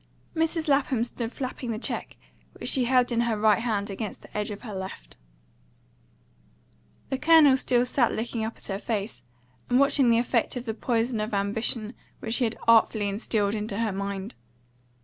Mrs. Lapham stood flapping the cheque which she held in her right hand against the edge of her left. The Colonel still sat looking up at her face, and watching the effect of the poison of ambition which he had artfully instilled into her mind.